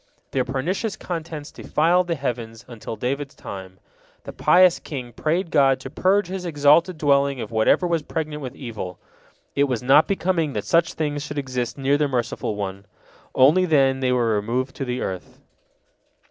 Their pernicious contents defiled the heavens until David's time. The pious king prayed God to purge His exalted dwelling of whatever was pregnant with evil; it was not becoming that such things should exist near the Merciful One. Only then they were removed to the earth.